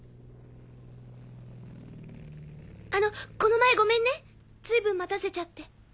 あのこの前ごめんね随分待たせちゃって。